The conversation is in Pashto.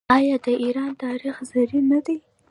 آیا د ایران تاریخ زرین نه دی؟